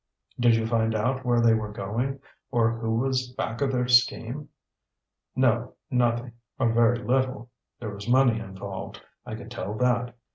"Did you find out where they were going, or who was back of their scheme?" "No, nothing; or very little. There was money involved. I could tell that.